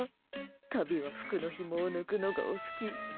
タビは服のひもを抜くのがお好き。